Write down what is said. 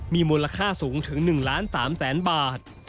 มีมูลค่าสูงถึง๑ล้าน๓แสนบาท